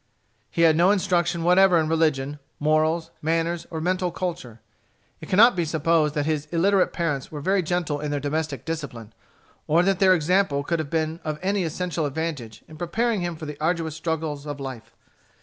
He had no instruction whatever in religion, morals, manners, or mental culture. It cannot be supposed that his illiterate parents were very gentle in their domestic discipline, or that their example could have been of any essential advantage in preparing him for the arduous struggle of life.